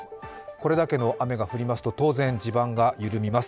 これだけの雨が降りますと当然地盤が緩みます。